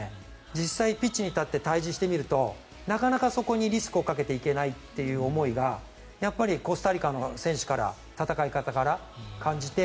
実際、ピッチに立って対峙してみるとなかなかそこにリスクをかけていけないという思いがコスタリカの選手から戦い方から感じて